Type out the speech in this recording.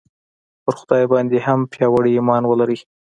پر خدای باندې هم پیاوړی ایمان ولرئ